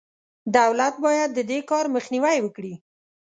دولت باید د دې کار مخنیوی وکړي.